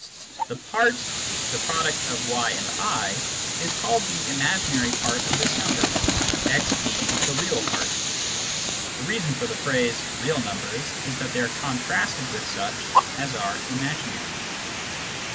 The part yi is called the " imaginary " part of this number, x being the " real " part. (The reason for the phrase " real numbers " is that they are contrasted with such as are " ima ginary.")